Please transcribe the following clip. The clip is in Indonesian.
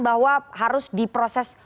bahwa harus diproses